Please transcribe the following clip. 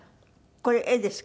これ絵ですか？